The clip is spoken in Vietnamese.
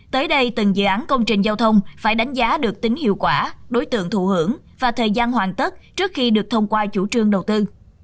tới đây từng dự án công trình giao thông phải đánh giá được tính hiệu quả đối tượng thụ hưởng và thời gian hoàn tất trước khi được thông qua chủ trương đầu tư